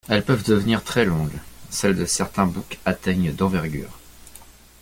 Elles peuvent devenir très longues, celles de certains boucs atteignent d'envergure.